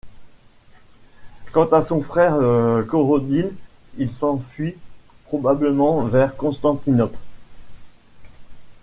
Quant à son frère Korodyle, il s’enfuit probablement vers Constantinople.